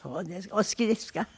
お好きですか？